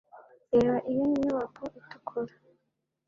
reba iyo nyubako itukura